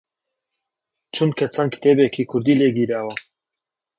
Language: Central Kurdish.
چونکە چەند کتێبێکی کوردی لێ گیراوە